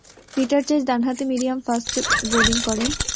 Peter Chase ডানহাতি medium fast bowling করেন।